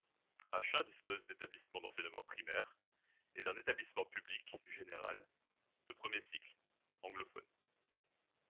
Achain dispose d'établissements d'enseignement primaire et d'un établissement public général de premier cycle, anglophone.